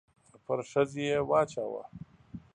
پر ښځې يې واچاوه.